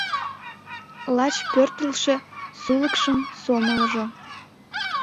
Лач пӧртылшӧ сулыкшым сомылыжо